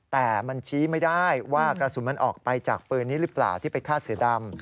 แต่มันชี้ไม่ได้ว่ากระสุนมันออกไปจากปืนนี้หรือเปล่าที่ไปฆ่าเสือดำ